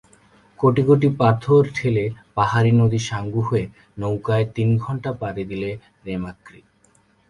কোটিকোটি পাথর ঠেলে পাহাড়ি নদী সাঙ্গু হয়ে নৌকায় তিন ঘন্টা পাড়ি দিলে রেমাক্রি।